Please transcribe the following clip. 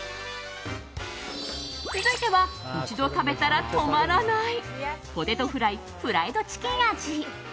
続いては一度食べたら止まらないポテトフライフライドチキン味。